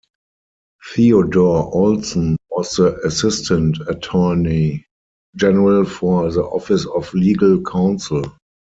Theodore Olson was the Assistant Attorney General for the Office of Legal Counsel.